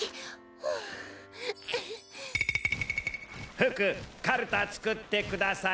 フクかるたつくってください。